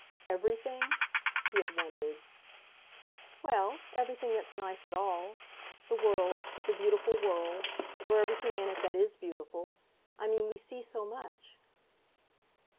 "Everything?" He had wondered. "Well, everything that's nice at all. The world, the beautiful, world or everything in it that is beautiful. I mean we see so much."